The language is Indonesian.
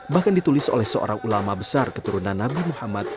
bahkan ditulis oleh seorang ulama besar keturunan nabi muhammad